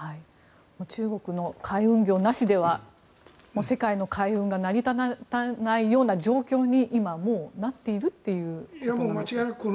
中国の海運業なしでは世界の海運が成り立たないような状況に今、もうなっているっていうことなんですね。